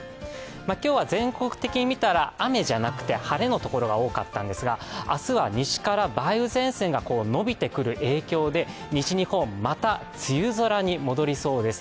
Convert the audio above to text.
今日は全国的に見たら雨じゃなくて晴れのところが多かったんですが明日は西から梅雨前線がのびてくる影響で西日本、また梅雨空に戻りそうです